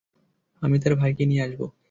আমি তার ভাইকে নিয়ে আসব।